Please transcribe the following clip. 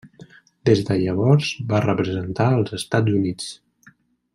Des de llavors va representar els Estats Units.